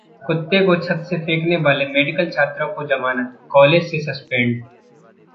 कुत्ते को छत से फेंकने वाले मेडिकल छात्रों को जमानत, कॉलेज से सस्पेंड